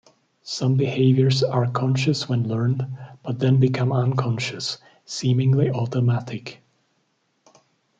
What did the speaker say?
Some behaviors are conscious when learned but then become unconscious, seemingly automatic.